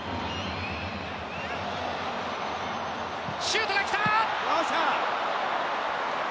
シュートがきた！